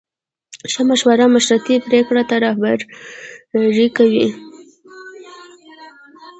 ښه مشوره مشتری پرېکړې ته رهبري کوي.